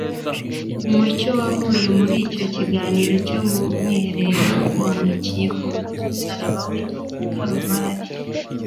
Umucyo wavuye muri icyo kiganiro cyo mu mwiherero wamurikiye ku musaraba w’i Kaluvari,